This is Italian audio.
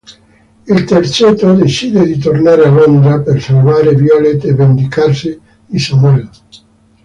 Il terzetto decide di tornare a Londra, per salvare Violet e vendicarsi di Samuel.